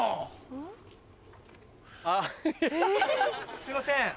すいません。